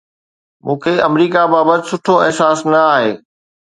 مون کي آمريڪا بابت سٺو احساس نه آهي.